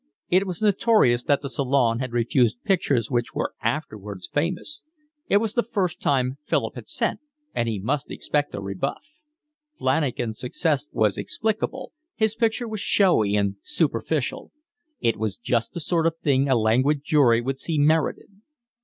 It was notorious that the Salon had refused pictures which were afterwards famous; it was the first time Philip had sent, and he must expect a rebuff; Flanagan's success was explicable, his picture was showy and superficial: it was just the sort of thing a languid jury would see merit in.